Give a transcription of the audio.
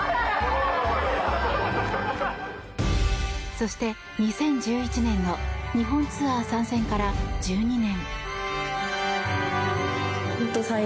そして、２０１１年の日本ツアー参戦から１２年。